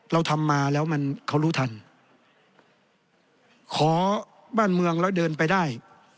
เราทำมาแล้วมันเขารู้ทันขอบ้านเมืองแล้วเดินไปได้